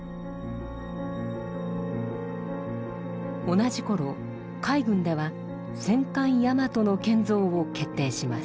同じ頃海軍では戦艦「大和」の建造を決定します。